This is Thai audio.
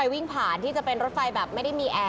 ก็ต้องมารถไปกระบวนทางหาข้าวกินค่ะ